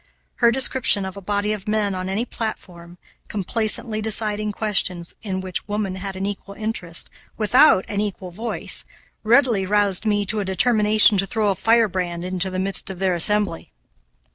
Her description of a body of men on any platform, complacently deciding questions in which woman had an equal interest, without an equal voice, readily roused me to a determination to throw a firebrand into the midst of their assembly.